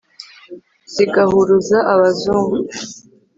Zigahuruza Abazungu,